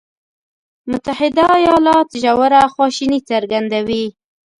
متحده ایالات ژوره خواشیني څرګندوي.